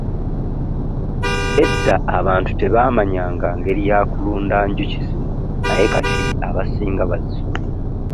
Edda abantu tebaamanyanga ngeri ya kulundamu njuki zino naye kati abasinga bazisomye.